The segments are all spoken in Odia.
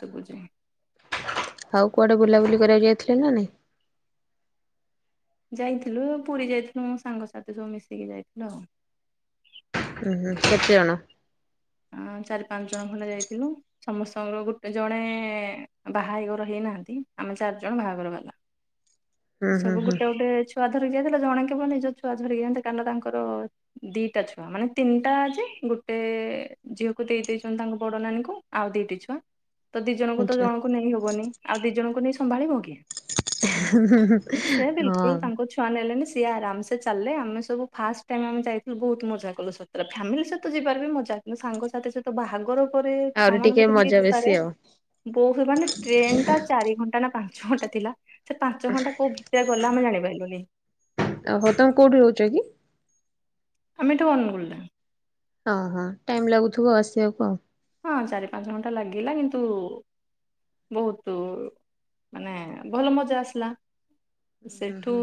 ଶୁବୁଚି ଆଉ କୁଆଡେ ବୁଲାବୁଲି କରିବାପାଇଁ ଯାଇଥିଲେ ନାଁ ନାଇଁ। ଯାଇଥିଲୁ ପୁରୀ ଯାଇଥିଲୁ ମୋ ସାଙ୍ଗସାଥି ସବୁ ମିଶିକି ଯାଇଥିଲୁ ଆଉ ହୁଁ କେତେ ଜଣ? ଓ ଚାରି ପାଞ୍ଚ ଜଣ ଖଣ୍ଡେ ଯାଇଥିଲୁ ସମସ୍ତଙ୍କର ଗୋଟେ ଜଣେ ବାହାଇଘର ହେଇନାହାନ୍ତି ଆମେ ଚାରିଜଣ ବାହାଘର ବାଲା। ହୁଁ ହୁଁ ସବୁ ହୁଁ ଗୋଟେ ଗୋଟେ ଛୁଆ ଧରି ଯାଇଥିଲେ ଜଣେ କେବଳ ନିଜ ଛୁଆ ଧରି ଯାଇନ୍ତି କାର ତାଙ୍କର ଦିଟା ଛୁଆ ମାନେ ତିନିଟା ଯେ ଗୋଟେ ଝିଅକୁ ଦେଇ ଦେଇଛନ୍ତି ତାଙ୍କ ବଡ ନାନୀ କୁ ଆଉ ଦୁଇ ଟି ଛୁଆ ତ ଦି ଜଣଙ୍କୁ ତ ଆଚ୍ଛା ଜଣଙ୍କୁ ନେଇ ହବନି ଆଉ ଦି ଜଣଙ୍କୁ ନେଇ ସମ୍ଭାଳିଵ କିଏ? [unintelligible] ହୁଁ ହୁଁ ସେ ବିଲକୁଲ ହଁ। ତାଙ୍କ ଛୁଆ ନେଲେନି ସିଏ ଆରାମ ସେ ଚାଲେ ଆମେ ସବୁ ଫାଷ୍ଟ ଟାଇମ ଆମେ ଯାଇଥିଲୁ ବହୁତ ମଜା କଲୁ ସତରେ ଫ୍ୟାମିଲି ସହିତ ଯିବାର ବି ମଜା ସାଙ୍ଗସଥି ସହିତ ବାହାଘର ତା ପରେ ଛୁଆ ଆହୁରି ଟିକେ ମାନଙ୍କୁ ଧରିକି ମଜା ବେଶୀ ଯିବାରେ ଆଉ ବହୁ ମାନେ ଟ୍ରେନ୍ ଟା ଚାରି ଘଣ୍ଟା ନା ପାଞ୍ଚ ଘଣ୍ଟା ଥିଲା । ସେ ପାଞ୍ଚ ଘଣ୍ଟା କୋଉ ଭିତରେ ଗଲା ଆମେ ଜାଣିପାରିଲୁନି । ଆ ହୋ ତମେ କୋଉଠି ରହୁଛ କି? ଆମେଠୁ ଅନଗୁଲ ରେ । ହଁ ହଁ ଟାଇମ ଲାଗୁଥିବ ଆସିବାକୁ ଆଉ । ହଁ ଚାରି ପାଞ୍ଚ ଘଣ୍ଟା ଲାଗିଲା କିନ୍ତୁ ବହୁତ ମାନେ ଭଲ ମଜା ଆସିଲା । ହୁଁ ସେଠୁ ହୁଁ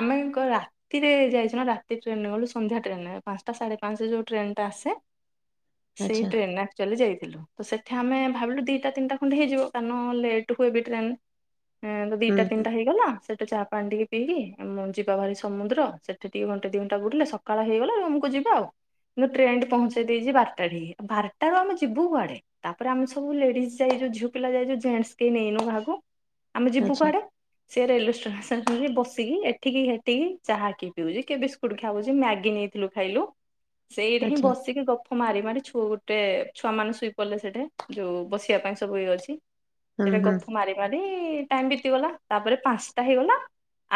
ଆମେ କ ରାତିରେ ଯାଇଛୁ ନା ରାତି ଟ୍ରେନ୍ ରେ ଗଲୁ ସନ୍ଧ୍ୟା ଟ୍ରେନ୍ ରେ ପାଞ୍ଚଟା ସାଢ଼େ ପାଞ୍ଚରେ ଯୋଉ ଟ୍ରେନଟା ଆସେ । ସେଇ ଆଚ୍ଛା ଟ୍ରେନ ନା ଯାଇଥିଲୁ ତ ସେଠି ଆମେ ଭାବିଲୁ ଦିଟା ତିନିଟା ଖଣ୍ଡେ ହେଇଯିବ କାରଣ ଲେଟ୍ ହୁଏ ବି ଟ୍ରେନ । ଏଁ ହୁଁ ଦିଟା ହୁଁ ତିନିଟା ହେଇ ଗଲା ସେଟୁ ଚା ପାଣି ଟିକେ ପିଇକି ଆମେ ଯିବା ଭାରି ସମୁଦ୍ର ସେଠି ଟିକେ ଘଣ୍ଟେ ଦି ଘଣ୍ଟା ବୁଲିଲେ ସକାଳ ହେଇଗଲା ରୁମ୍ କୁ ଯିବା ଆଉ । ଇଲୋ ଟ୍ରେନ ଟି ପହଞ୍ଚେଇ ଦେଇଛି ବାରଟା ଠିକ୍ ବାରଟା । ତାରୁ ଆମେ ଯିବୁ କୁଆଡେ ତାପରେ ଆମେ ସବୁ ଲେଡିଜ ଯାଇଛୁ ଝିଅ ପିଲା ଯାଇଛୁ ଜେଣ୍ଟସ କେହି ନେଇନୁ କାହାକୁ । ଆମେ ଯିବୁ ଆଚ୍ଛା କୁଆଡେ ସେ ରେଲୱେ ଷ୍ଟେସନ । ରେ ବସିକି ଏଠିକି ହେଠିକି ଚାହା କିଏ ପିଉଛି କିଏ ବିସ୍କୁଟ ଖାଉଛି ମ୍ୟାଗି ନେଇଥିଲୁ ଖାଇଲୁ। ସେଇଟି ହିଁ ଆଚ୍ଛା ବସିକି ଗପ ମାରି ମାରି ଛୁ ଗୋଟେ ଛୁଆମାନେ ଶୋଇ ପଡ଼ିଲେ ସେଠେ ଯୋଉ ବସିବା ପାଇଁ ସବୁ ଇଏ ଅଛି ହୁଁ ସେଟେ ହୁଁ ହଁ। ଗପ ମାରି ମାରି ଟାଇମ ବିତିଗଲା । ତାପରେ ପାଞ୍ଚଟା ହେଇଗଲା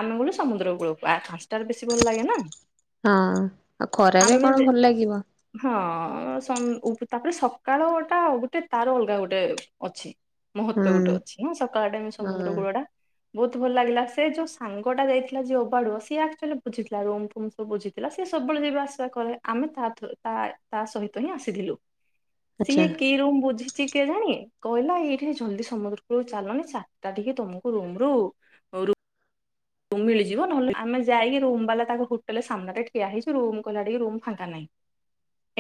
ଆମେ ଗଲୁ ସମୁଦ୍ର କୂଳକୁ ଆ ପାଞ୍ଚଟାରେ ବେଶୀ ଭଲ ଲାଗେ ନା। ହଁ ଆଉ ଖରାରେ ଆମେ କଣ ଯେ- ଭଲ ଲାଗିବ। ହଁ ସନ୍- ଉପ- ତାପରେ ସକାଳଟା ଗୋଟେ ତାର ଅଲଗା ଗୋଟେ ଅଛି। ହୁଁ ମହତ୍ତ୍ୱ ଗୋଟେ ଅଛି ନା ସକାଳ ଟାଇମ୍ ସମୁଦ୍ର ହଁ କୂଳ ଟା। ବହୁତ ଭଲ ଲାଗିଲା ସେ ଯୋଉ ସାଙ୍ଗଟା ଯାଇଥିଲା ଯିଏ ଅବାଡୁଅ ସିଏ ଆକ୍ଚୁଆଲି ବୁଝିଥିଲା ରୁମ୍ ଫୁମ୍ ସବୁ ବୁଝିଥିଲା ସିଏ ସବୁବେଳେ ଯିବା ଆସିବା କରେ ଆମେ ତା ଥ୍ରୋ ତା ତା ସହିତ ହିଁ ଆସିଥିଲୁ। ଆଚ୍ଛା ସିଏ କି ରୁମ୍ ବୁଝିଚି କେଜାଣି କଇଲା ଏଇଠି ଜଲଦି ସମୁଦ୍ର କୁଳୁ ଚାଲନି ଚାରିଟା ଟିକେ ତମକୁ ରୁମ ରୁ ରୁ ମିଳିଯିବ ନହଲେ ଆମେ ଯାଇକି ରୁ ବାଲା ତାଙ୍କ ହୋଟେଲ ସାମ୍ନାରେ ଠିଆ ହେଇଚୁ ରୁମ୍ କହିଲା ହେଟିକି ରୁମ୍ ଫାଙ୍କା ନାହିଁ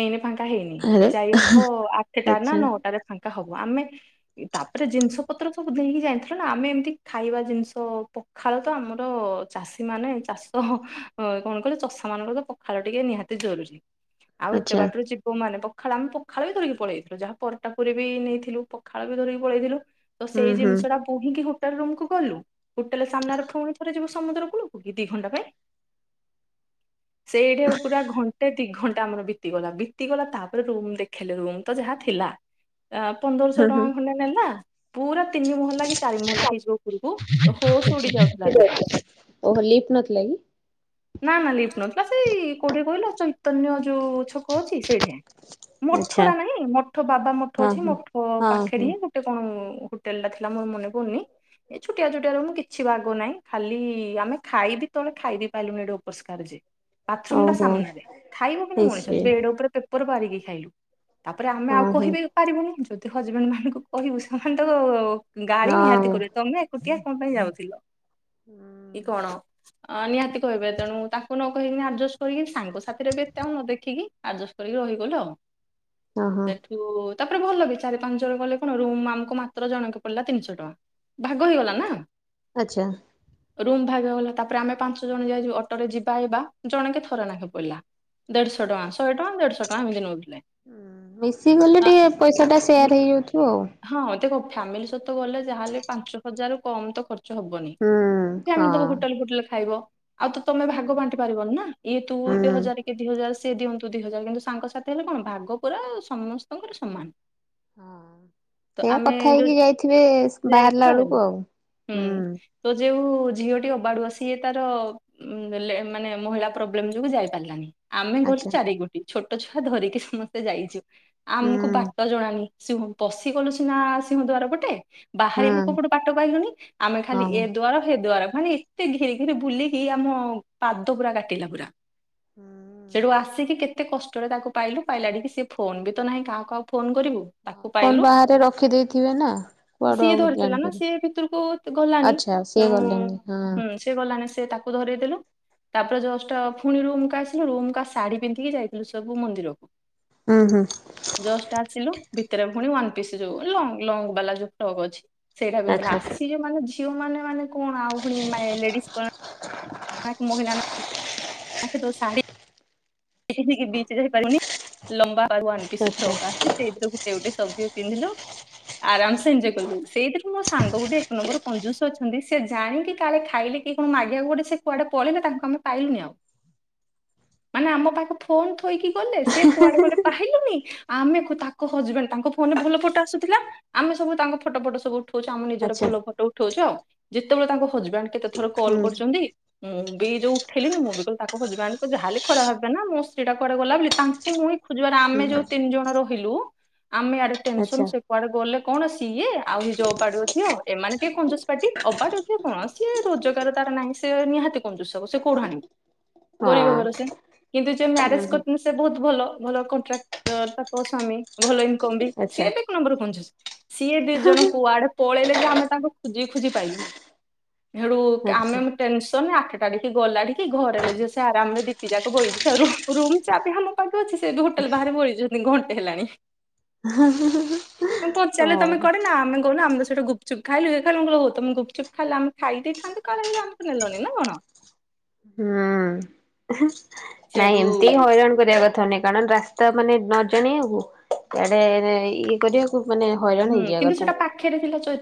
ଏଇନେ ଫାଙ୍କା ଫାଙ୍କା ହେଇନି ଆରେ ଯାଇ ହବ ଆଠେଟା ନା ଆଚ୍ଛା ନଅଟାରେ ଫାଙ୍କା ହବ ଆମେ ତାପରେ ଜିନିଷ ପତ୍ର ତ ସବୁ ନେଇକି ଯାଇଥିଲୁ ନା ଆମେ ଏମିତି ଖାଇବା ଜିନିଷ ପଖାଳ ତ ଆମ ଚାଷୀ ମାନେ ଚାଷ କଣ କହିଲେ ଚଷା ମାନଙ୍କର ତ ପଖାଳ ଟିକେ ନିହାତି ଜରୁରୀ ଆଉ ଏତେ ଆଚ୍ଛା ବାଟରୁ ଯିବୁ ମାନେ ପଖ ପଖାଳ ଆମେ ପଖାଳ ବି ଧରିକି ପଳେଇଥିଲୁ ଯାହା ପରଟା ପୁରୀ ବି ନେଇଥିଲୁ ପଖାଳ ବି ଧରିକି ପଳେଇଥିଲୁ ତ ହୁଁ ସେଇ ହୁଁ ଜିନିଷ ଟା ପୁରି କି [unintelligible] ହୋଟେଲ ରୁମ୍ କୁ ଗଲୁ ହୋଟେଲ ସାମ୍ନାରେ ଫୁଣି ତାପରେ ଯିବୁ ସମୁଦ୍ର କୂଳକୁ କି ଦି ଘଣ୍ଟା ପାଇଁ ସେଇଠେ ପୁରା ଘଣ୍ଟେ ଦି ଘଣ୍ଟା ଆମର ବିତିଗଲା ବିତିଗଲା ତାପରେ ରୁମ ଦେଖେଇଲେ ରୁମ ତ ଯାହା ଥିଲା ଆ ହୁଁ ପନ୍ଦରଶହ ହୁଁ ଟଙ୍କା ଖଣ୍ଡେ ନେଲା ପୁରା ତିନି ମହଲା କି ଚାରି ମହଲା ହେଇଯିବ ଉପରକୁ ହୋସ ଉଡି ଯାଉଥିଲା ଓହୋ ଲିଫ୍ଟ ନଥିଲା କି? ନା ନା ଲିପ୍ଟ ନଥିଲା ସେଇ କୋଉଠି କହିଲ ଚୈତନ୍ୟ ଯୋଉ ଛକ ଅଛି ସେଇଠି । ଆଚ୍ଛା ମଠର ନାଇଁ ମଠ ବାବା ମଠ ହଁ ଅଛି ହଁ ମଠ ହଁ ହଁ ପାଖରେ ହିଁ ଗୋଟେ କଣ ହୋଟେଲ ଟା ଥିଲା ମୋର ମନେ ପଡୁନି ଏ ଛୁଟିଆ ଛୁଟିଆ ରୁମ୍ କିଛି ବାଗ ନାହିଁ। ଖାଲି ଆମେ ଖାଇ ବି ତଳେ ଖାଇବି ପାରିଲୁନି ଏଡେ ଅପରିଷ୍କାର ଯେ ବାଥରୁମ ଟା ଓହୋ ସାମ୍ନାରେ ଖାଇବ କେମିତି ମଣିଷ ଇସ୍ ବେଡ ଉପରେ ପେପର ପାରିକି ଖାଇଲୁ। ତାପରେ ଆମେ ହଁ ଆଉ ହଁ କହି ବି ପାରିବୁନି। ହଜବେଣ୍ଡ ମାନଙ୍କୁ କହିବୁ ସେମାନେ ଗାଡି ନିହାତି ହଁ। କରିବ ତମେ ଏକୁଟିଆ କଣ ପାଇଁ ଯାଉଥିଲ । କି ହୁଁ। କଣ? ନିହାତି କହିବେ। ତେଣୁ ତାଙ୍କୁ ନ କହିକି ଆଡଜଷ୍ଟ କରିକି ସାଙ୍ଗ ସାଥିରେ ଏବେ ଏତେ ଆଉ ନ ଦେଖିକି ଆଡଜଷ୍ଟ କରିକି ରହିଗଲ ଆଉ ଓହୋ ସେଠୁ ତାପରେ ଭଲ ବି ଚାରି ପାଞ୍ଚ ଜଣ ଗଲେ କଣ ରୁମ୍ ଆମକୁ ମାତ୍ର ଜଣକେ ପଡିଲା ତିନିଶହ ଟଙ୍କା। ଭାଗ ହେଇଗଲା ନା। ଆଚଛା ରୁମ୍ ଭାଗ ଗଲା ତାପରେ ଆମେ ପାଞ୍ଚ ଜଣ ଯାଇକି ଅଟୋରେ ଯିବାଇ ଜଣକେ ଥରେ ନାକେ ପଡିଲା। ଦେଢଶହ ଟଙ୍କା ଶହେ ଟଙ୍କା ଦେଢଶହ ଟଙ୍କା ଏମିତି ମିଶିଗଲେ ତା- ଟିକେ ପଇସା ଟା ସେୟାର ହେଇଯାଉଥିବ ଆଉ। ଫାମିଲି ସହିତ ଗଲେ ଯାହାହଲେ ପାଞ୍ଚ ହଜାରରୁ କମ ତ ଖର୍ଚ୍ଚ ହବନି ହୁଁ। ଆମେ ହଁ। ତବ ହୋଟେଲ ଫୋଟେଲ ଖାଇବୁ। ଆଉ ତମେ ଭାଗ ବାଣ୍ଟି ପାରିବନି ନା ଇଏ ତୁ ଦୁ ହୁଁ। ହଜାର କି ଦି ହଜାର ସେ ଦିଅନ୍ତୁ ଦୁଇ ହଜାର କିନ୍ତୁ ସାଙ୍ଗ ସାଥି ହେଲେ କଣ ଭାଗ ପୁରା ସମସ୍ତଙ୍କର ସମାନ। ହଁ ତ ସେ ଆମେ କଥା ଯୋଉ ହେଇକି ଯାଇଥିବେ ବାହାରିଲା ବେଳକୁ ଆଉ ହୁଁ। ଯୋଉ ଝିଅଟି ଅବାଡୁଆ ସିଏ ତାର ବେଲେ ମାନେ ମହିଳା ପ୍ରୋବ୍ଲେମ ଯୋଗୁଁ ଯାଇ ପାରିଲାନି। ଆମେ ଗଲେୁ ଆଚ୍ଛା ଚାରିଗୋଟି ଛୋଟ ଛୁଆ ଧରିକି ସମସ୍ତେ ଯାଇଚୁ ହୁଁ ଆମକୁ ବାଟ ଜଣାନି ସିଂହ ପଶି କଲୁଛି ନା ସିଂହ ଦ୍ଵାର ଗୋଟେ ବାହାରିବୁ ହଁ କୋପଟୁ ବାଟ ପାଇଲୁନି ହଁ। ଏ ଦ୍ୱାରା ହେ ଦ୍ୱାରା ମାନେ ଏତେ ଘେରେ ଘିରେ ବୁଲିକି ଆମ ପାଦ ପୁରା କାଟିଲା ପୁରା। ସେଠୁ ଆସିକି କେତେ କେତେ କଷ୍ଟରେ ତାକୁ ପାଇଲୁ ପାଇଲାଡିକ କି ସେ ଫୋନ ବି ତ ନାହିଁ କାହା କାହା ଫୋନ କରିବୁ। ତାକୁ ଫୋନ ପାଇଲୁ। ବାହାରେ ରଖିଦେଇଥିବେ ନା କୁଆଡୁ ସିଏ ଆଉ ଧରିଥିଲା ନା ତ ଜାଣିପାରିବେ। ସିଏ ଭିତରକୁ ଗଲାନି। ଆଚ୍ଛା ସିଏ ତେଣୁ ଗଲେନି ହଁ ହୁଁ ସେ ଗଲାଣି, ସେ ତାକୁ ଧରେଇ ଦେଲେ। ତାପରେ ଜଷ୍ଟ ପୁଣି ରୁମକୁ ଆସିଲା। ରୁମକା ଶାଢୀ ପିନ୍ଧିକି ଯାଇଥିଲୁ ସବୁ ମନ୍ଦିରକୁ। ହୁଁ ହୁଁ ଜଷ୍ଟ ଆସିଲୁ ଭିତରେ ପୁଣି ଅନ୍ତି କି ସେ ଯୋଉ ଲଙ୍ଗ ଲଙ୍ଗ ବାଲା ଯୋଉ ଫ୍ରଗ ଅଛି। ସେଇଟା ପିନ୍ଧିଥିଲା। ଆଚ୍ଛା ଆସି ଯୋଉ ମାନେ ଝିଅ ମାନେ ମାନେ କଣ ଆଉ ମ ଲେଡିସ୍ କଣ ତାଙ୍କେ ତ ଶାଢି [inaudible] କି ବିଚ ଯାଇପାରିବନି । ଲମ୍ବା ୱାନ ପିସ ଆଚ୍ଛା। ଫ୍ରକ୍ ଆସେ ସେଥିରେ ଗୋଟେ ଗୋଟେ [inaudible] ପିନ୍ଧିଲୁ ଆରାମସେ ଏଜୟ କଲୁ। ସେଇଥିରୁ ମୋ ସାଙ୍ଗ ଗୋଟେ ଏକ ନମ୍ବର କଞ୍ଜୁସ ଅଛନ୍ତି, ସେ ଜାଣିକି କାଳେ ଖାଇଲେ କିଏ କଣ ମାଗିବାକୁ ଗୋଟେ ସେ କୁଆଡେ ପଳେଇେ ତାଙ୍କୁ ଆମେ ପାଇଲୁନି ଆଉ। ମାନେ ଆମ ପାଖେ ଫୋନ ଥୋଇକି ଗଲେ ସିଏ କୁଆଡ଼େ ଗଲେ ପାଇଲୁନି। ଆମେକୁ ତାଙ୍କ ହଜବେଣ୍ଡ ତାଙ୍କ ଫୋନ ରେ ଭଲ ଫଟୋ ଆସୁଥିଲା ଆମେ ସବୁ ତାଙ୍କ ଫଟୋ ଫଟ ସବୁ ଠାଉଛୁ ଆମ ନିଜର ଆଚ୍ଛା ଭଲ ଫଟୋ ଉଠଉଛ ଆଉ ଯେତେବେଳେ ତାଙ୍କୁ ହଜବେଣ୍ଡ କେତେ ଥର କଲ୍ ହୁଁ କରୁଛନ୍ତି ହୁଁ ବି ଯୋଉ ଉଠେଇଲିନି ମୁଁ ବି ହଜବ୍ୟାଣ୍ଡ ଙ୍କୁ ଯାହେଲେ ଖରାପ ଭାବିବେ ନା ମୋ ସ୍ତ୍ରୀ ଟା କୁଆଡ଼େ ଗଲା ବୋଲି ତାଙ୍କୁ ମୁଇଁ ଖୋଜିବାର ହୁଁ ଆମେ ଯୋଉ ତିନି ଜଣ ରହିଲୁ- [inaudible] ଆମେ ଆଡ଼େ ଟେନସନ୍ ଆଚ୍ଛା ସେ କୁଆଡ଼େ ଗଲେ କଣ ସିଏ ଆଉ ଇଏ ଯୋଉ ଅବାଡୁଅ ଝିଅ ଏମାନେ ଟିକେ କଂଜୁସ୍ ପାଟି ଅବାଡୁଅ ଝିଅ କଣ ଯିଏ ରୋଜଗାର ତାର ନାହିଁ ସେ ନିହାତି କଂଜୁସ୍ ହେବ ସେ କଉଠୁ ଆଣିବ। ହଁ ଗରିବ ଘର ସେ କିନ୍ତୁ ଯିଏ ହୁଁ ମ୍ୟାରେଜ୍ ହୁଁ। କରିଛନ୍ତି ସେ ବହୁତ୍ ଭଲ। ଭଲ କଣ୍ଟ୍ରାକ୍ଟ୍ ତାଙ୍କ ସ୍ଵାମୀ ଭଲ ଇ [unintelligible] ସିଏ ଆଚ୍ଛା ବି ଏକ ନମ୍ବର କଂଜୁସ୍ ସିଏ ଦି ଜଣ କୁଆଡ଼େ ପଳେଇଲେ [unintelligible] ଆମେ ତାଙ୍କୁ ଖୁଜି ଖୁଜି ପାଇଲୁନି। ହେଟୁ ଆଚ୍ଛା ଆମେ ଟେନସନ୍ ରେ ଆ ଛାଡ଼ିକି ଗଲାଣି କି‌। ଘରେ ଲୋ ଝିଅ ସେ ଆରାମରେ [unintelligible] ଯାକ ବହିଛି ରୁମ୍ ରୁମ ଚାବି ଆମ ପାଖରେ ଅଛି ସେ ହୋଟେଲ ବାହାରେ ବଇଛନ୍ତି ଘଣ୍ଟେ ହେଲାଣି। ମୁଁ ପଚାରିଲେ ତମେ ହଉ କୁଆଡ଼େ ନା ମେ [unintelligible] ଆମ- ସେଠି ଗୁପଚୁପ ଖାଇଲୁ ଇଏ ଖାଇଲୁ ମୁଁ କହିଲି ହଉ ତମେ ଗୁପଚୁପ ଖାଇଲ ଆମେ ଖାଇ ଦେଇଥାନ୍ତୁ କାଳେ ବୋଲି ଆମକୁ ନେଲନି ନା କଣ? ହୁଁ। ନାଇଁ ଏମିତି ସେଇଠୁ ହଇରାଣ କରିବା କ କଥା ନୁହେଁ କାରଣ ରାସ୍ତା ମାନେ ନ ଜାଣିବାକୁ ଇଆଡ଼େ ଇଏ କରିବାକୁ। କୁ ମାନେ ହଇରାଣ ହେଇଯିବା କଥା।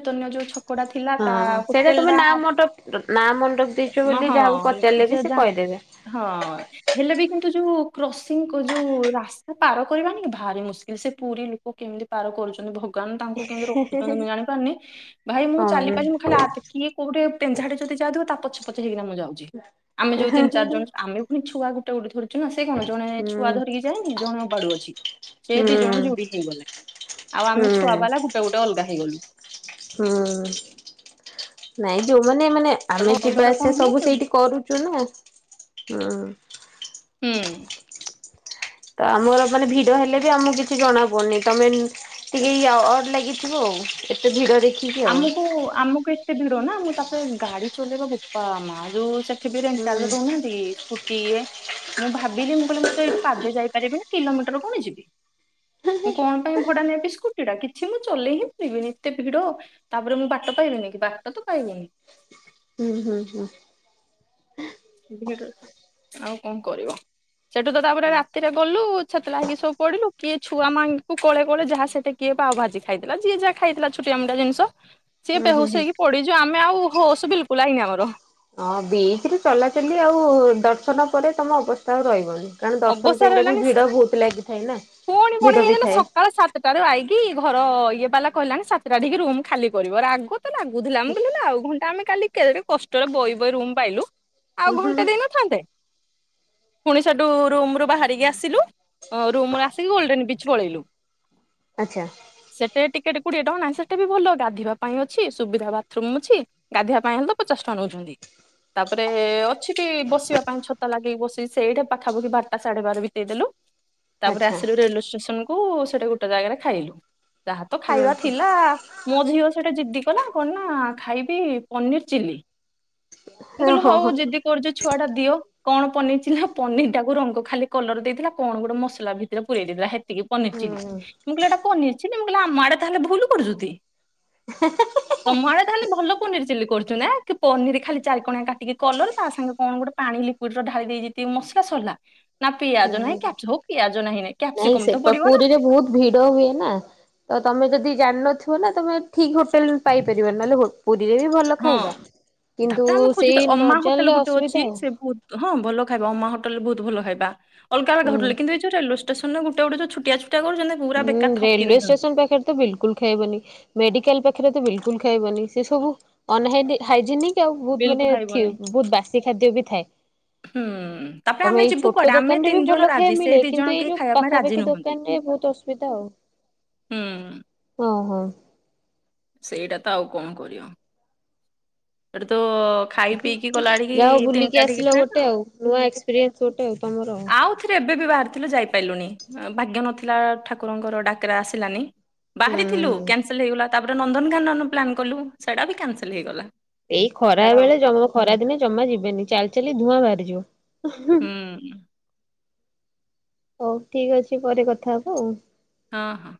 ତନ [unintelligible] [unintelligible] ଥିଲା ତା ହଁ ସେଇଟା ହୋଟେଲ ତମେ ଟା ନା ମଣ୍ଡପ ନା ମଣ୍ଡପ ଦେଇଛ ମ ବୋଲି ହଁ ଯାହାକୁ ପଚାରିଲେ ବି ସେ [unintelligible] କହିଦେବେ। ହଁ ହେଲେବି କିନ୍ତୁ ଯୋଉ କ୍ରସିଂ ଯୋଉ ରାସ୍ତା ପାର କରିବାନି ଭାରି ମୁସ୍କିଲ୍ ସେ ପୁରୀ ଲୋକ କେମିତି ପାର କରୁଛନ୍ତି ଭଗ କଣ ତାଙ୍କୁ- ତାକୁ କେମିତି ରଖୁଛନ୍ତି ମୁଁ ଜାଣିପାରୁନି ଭାଇ ମୁଁ ଚାଲି ହଁ ପାରିନି ମୁ ଖାଲି ହା କିଏ କୋଉଠି ପେଞାଡେ ଯଦି ଯାଉଥିବ ତା ପଛେ ପଛେ ହେଇକି ନା ମୁ ଯାଉଛି ଆମେ ଯୋଉ ତିନି ଚାରି ଜଣ ଆମେ ଫୁଣି ଛୁଆକୁ [unintelligible] [unintelligible] ସେ କଣ ଜଣେ ଛୁଆ ହୁଁ ଧରିକି ଯାଏନି ଜଣେ ଅବାଡ଼ୁଅ ଅଛି ସେ ଦି ଜଣ ହୁଁ ଯୁଡ଼ି ହେଇଗଲେ ଆଉ ଆମେ ଛୁ ଛୁଆ ହୁଁ ମାନେ ଗୁଟେ ଗୁଟେ ଅଲଗା ହେଇ ଗଲୁ। ହୁଁ। ନାଇଁ ଯୋଉମାନେ ମାନେ ଆମେ ଯିବା ଆସିବା ସବୁ ହୁଅ ସେଇଟି କରୁଚୁ ନା। ହୁଁ। ହୁଁ ତ ଆମର ମାନେ ଭିଡ ହେଲେ ବି ଆମକୁ କିଛି ଜଣା ପଡ଼ୁନି ତମେ ଟିକେ ୟ ଅଡ଼ ଲାଗିଥିବ ଆଉ ଏତେ ଭିଡ ଦେ ଆମୁକୁ ଆମୁକୁ ଏତେ ଭିଡ ନା ମୁଁ ତାପରେ ଗାଡି ଚଲେଇବା ବୋପା ମା ଯୋଉ ସେ ଟିଭି ହୁଁ। ରେଣ୍ଟାଲ ଦେଉନାହାନ୍ତି କି କିଏ ମୁଁ ଭାବିଲି ମୁଁ କହିଲି ମୁଁ ତ ଏଇଠୁ ପାଦେ ଯାଇପାରିବିନି କିଲୋମିଟର କଣ ଯିବି। ମୁଁ କଣ ପାଇଁ ଭଡା ନେବି ସ୍କୁଟି ଟା କିଛି ମୁଁ ଚଲେଇ ହିଁ ପାରିବିନି ଏତେ ଭିଡ ତାପରେ ମୁଁ ବାଟ ପାଇବିନିକି ବାଟ ତ ପାଇବିନି ଉଁ ହୁଁ ହୁଁ [inaudible] ଆଉ କଣ କରିବ, ସେଠୁ ତ ତାପରେ ରାତିରେ ଗଲୁ ଛେତଲା ହେଇକି ସବୁ ପଡିଲୁ। କିଏ ଛୁଆ ମାଆଙ୍କୁ କୋଳେ କୋଳେ ଯାହା ସେଠି କିଏ ପାଓଭାଜି ଖାଇଥିଲା ଯିଏ ଯାହା ଖାଇଥିଲା ଛୋଟିଆ ମୋଟିଆ ଜିନିଷ ସିଏ ହୁଁ ହୁଁ ବେହୋସ ହୁଁ। ହେଇକି ପଡିଚି ଆମେ ଆଉ ହଉ ସେ ବିଲକୁଲ ଆଇନି ଆମର। ହଁ ବିଚ ରେ ଚଲାଚଲି ଆଉ ଦର୍ଶନ ପରେ ତମ ଅବସ୍ଥା ଆଉ ରହିବନି। କାରଣ ଦର୍ଶନ ଅବସର ପାଇଁକା ବି ହେଲାଣିି ଭିଡ ବହୁତ ଲାଗିଥାଏ ନା ପୁଣି ପଣି ଭିଡ ବି ହେଇଗଲା ଥାଏ ସକାଳ ସାତଟାରୁ ଆଇକି ଘର ଇଏ ବାଲା କହିଲାଣି ସାତଟାଠିକି ରୁମ୍ ଖାଲି କରିବ [unintelligible] ତ ଲାଗୁଥିଲା ମୁଁ କହିଲି ହେଲେ ଆଉ ଘଣ୍ଟା ଆମେ କାଲି- କେଡେ କଷ୍ଟରେ ବଇ ବଇ ରୁମ୍ ପାଇଲୁ। ଆଉ ହୁଁ ହୁଁ ଘଣ୍ଟେ ହୁଁ ଦେଇ ନଥାନ୍ତେ। [inaudible] ରୁ ରୁମ୍ ରୁ ବାହାରିକି ଆସିଲୁ ରୁମ୍ ରେ ଆସିକି ଗୋଲଡେନ ବିଚ ପଳେଇଲୁ। ଆଚ୍ଛା ସେଟେ [unintelligible] କୁଡିଏ ଟଙ୍କା ନାହିଁ ସେଇଟା ବି ଭଲ ଗାଧେଇବା ପାଇଁ ଅଛି ସୁବିଧା ବାଥରୁମ୍ ଅଛି ଗାଧେଇବା ପାଇଁ ହେଲେ ତ ପଚାଶ ଟଙ୍କା ନେଉଛନ୍ତି ତାପରେ ଅଛି କି ବସିବା ପାଇଁ ଛତା ଲାଗେଇ ବସି ସେଇ ପାଖାପୁଖି ବାରଟା ସାଢେବାର ବିତେଇଦେଲୁ। ତାପରେ ଆଚ୍ଛା ଆସିଲୁ ରେଲୱେ ଷ୍ଟେଶନକୁ ହୁ ସେଟେ ଗୁଟେ ଜାଗାରେ ଖାଇଲୁ ତାହା ତ ହୁଁ ଖାଇବା ହୁଁ ଥିଲା ମୋ [unintelligible] କେଡେ ଜିଦ୍ଦି କଲା କଣ ନା ଖାଇବି ପନିର ଚିଲି। ମୁଁ କହିଲି ହଁ ହଉ ହଁ ଜିଦ୍ଦି କରୁଚି ଛୁଆ ଟା। ଦିଅ କଣ ପନି [unintelligible] ପନିର ଟାକୁ ରଙ୍ଗ ଖାଲି କଲର ଦେଇଥିଲା କଣ ଗୋଟେ ମସଲା ଭିତରେ ପୁରେଇ ଦେଇଥିଲା ହେତିକି ପନିର ହଁ ଚିଲି ମୁଁ କହିଲି ଏଟା ପନିର ଚିଲି ମୁଁ କହିଲି ଆମ ଆଡେ ତାହେଲେ ଭୁଲ କରୁଚୁତି। ତମ ଆଡେ ତାହେଲେ ଭଲ ପନିର ଚିଲି କରୁଚି ନା କି ପନିର ଖାଲି ଚାରି କଣିଆ କାଟିକି କଲର ତା ସାଙ୍ଗେ କଣ ଗୋଟେ ପାଣି ଲିକୁଇଡ ର ଢାଳି ଦେଇ କି ମସଲା ସରିଲା ନା ପିଆଜ ହୁଁ ନାହିଁ ହୁଁ। କ୍ୟାପସ ହଉ ପିଆଜ ନାହିଁ। ନାଇଁ କ୍ୟାପ୍ସିକମ ତ ସେତ ପଡିବ ନା ପୁରୀରେ ବହୁତ ଭିଡ ହୁଏ ନା ତ ତମେ ଯଦି ଜାଣିନଥିବ ନା ତମେ ଠିକ୍ ଟେଲ ପାଇପାରିବା ନହେଲେ ପୁରୀରେ ବି ଭଲ ହଁ। ଖାଇବା କିନ୍ତୁ ତାପରେ ଆମେ ଖୋଜୁ ସେଇ ତ ନ ଅମା ହୋଟେଲ ଜାଣିଲେ ଗୋଟେ ଅଛି ଅସୁବିଧା ଆଉ ସେ ବହୁତ ହଁ ଭଲ ଖାଇବା ଅମା ହୋଟେଲ ବହୁତ ଭଲ ହାଇବା ଅଲଗା ହୁଁ [unintelligible] [unintelligible] ପୁରା ଉଁ ବେକାର ଠକି ରେଲୱେ ଦଉଛନ୍ତି। ଷ୍ଟେସନ ପାଖରେ ତ ବିଲକୁଲ ଖାଇବନି ମେଡିକାଲ ପାଖ ଖେରେ ତ ବିଲକୁଲ ଖାଇବନି ସେ ସବୁ ଅନ ହାଇ ହାଇଯେନିକ ତି ଆଉ ବହୁତ ମାନେ ବିଲକୁଲ ଥୀ ଖାଇବନି ବହୁତ ବାସି ଖାଦ୍ୟ ବି ଥାଏ ହୁଁ ତାପରେ ଆମେ ତମେ ଏଇ ଯିବୁ ଛୋଟ କୁଆଡେ ଆମେ ଦୋକାନ ରେ ବି ତିନି ଜଣ ଭଲ ରାଜି ଖାଇବା ସେ ମିଳେ ଦି ଜଣ କିନ୍ତୁ ଏଇ କେହି ଯୋଉ ଖାଇବା ପାଇଁ ରାଜି ପାଖାପାଖି ନୁହନ୍ତି ଦୋକାନ ରେ ବହୁତ ଅସ ହୁଏ ତ ଆଉ ହୁଁ ହଁ- ଓହୋ। ସେଇଟା ତ ଆଉ କଣ କରିବା। ଏଠୀ ତ। ପିଇକି ଗଲା ଆଡିକି ଯା ହଉ ତିନିଟା ବୁଲିକି ଠିକି ଆସିଲ ଟ୍ରେନ ଗୋଟେ ଆଉ ନୂଆ ଏକ୍ସପିରିଏନ୍ସ ଗୋଟେ ଆଉ ତମର ଆଉ ଥିଲୁ ଯାଇପାରିଲୁଣି ଭାଗ୍ୟ ନଥିଲା ଠାକୁରଙ୍କର ଡାକରା ଆସିଲାନି। ବାହାରିଥିଲୁ ହୁଁ କ୍ୟାନସଲ ହେଇଗଲା ତାପରେ ନନ୍ଦନକାନନ ପ୍ଲାନ୍ କଲୁ ସେଇଟା ବି କ୍ୟାନସଲ୍ ହେଇଗଲା। ଏଇ ଖରା ଛାଡ ବେଳେ ଜମା ଖରା ଦିନେ ଜମା ଯିବେନି ଚାଲି ଚାଲି ଧୂଆଁ ବାହାରିଯିବ। [unintelligible] ହୁଁ ହଉ ଠିକ ଅଛି ପରେ କଥା ହବ ଆଉ ହଁ ହଁ।